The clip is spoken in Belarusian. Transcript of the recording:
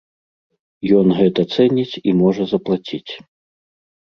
Ён гэта цэніць і можа заплаціць.